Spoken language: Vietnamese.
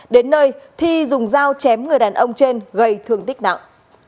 đến nơi thi dùng dao chém người đàn ông trên gây thương tích nặng